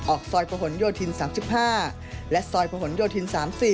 ออกซอยประหลโยธิน๓๕และซอยประหลโยธิน๓๐